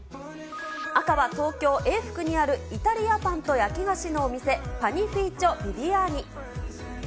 赤は東京・永福にあるイタリアパンと焼き菓子のお店、パニフィーチョ・ヴィヴィアーニ。